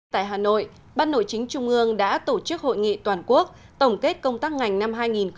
tại hà nội ban nội chính trung ương đã tổ chức hội nghị toàn quốc tổng kết công tác ngành năm hai nghìn một mươi chín